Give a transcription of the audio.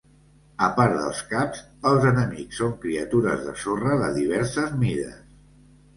A part dels caps, els enemics són criatures de sorra de diverses mides.